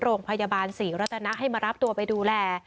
โรงพยาบาลศรีรัตนะให้มารับตัวไปดูแล